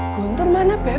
guntur mana beb